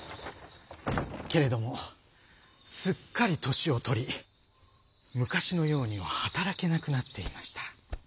けれどもすっかり年をとり昔のようには働けなくなっていました。